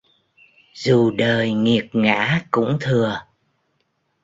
Dù đời nghiệt ngã cũng thừa